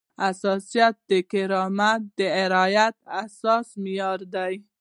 احساسات د کرامت د رعایت اساسي معیار دی.